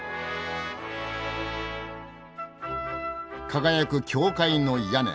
輝く教会の屋根。